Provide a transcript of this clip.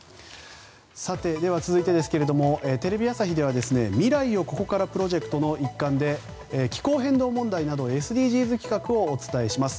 では、続いてですがテレビ朝日では未来をここからプロジェクトの一環で気候変動問題などＳＤＧｓ企画をお伝えします。